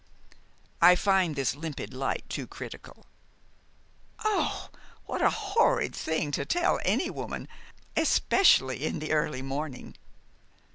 "I find this limpid light too critical." "Oh, what a horrid thing to tell any woman, especially in the early morning!"